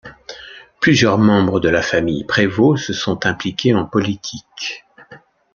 Plusieurs membres de la famille Prévost se sont impliqués en politique.